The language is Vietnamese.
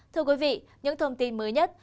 thưa quý vị những thông tin mới nhất